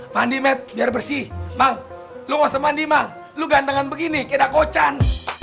fandi mbak biar bersih lu gantengan begini kita kocan